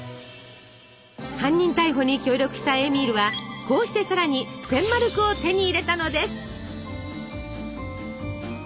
犯人逮捕に協力したエーミールはこうしてさらに１，０００マルクを手に入れたのです。